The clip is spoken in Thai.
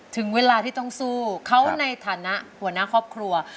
ถึงเวลาที่ต้องสู้เขาในฐานะหัวหน้าครอบครัว